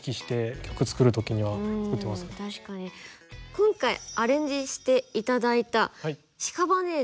今回アレンジして頂いた「シカバネーゼ」。